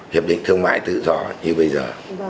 hiệp định thương mại tự do như bây giờ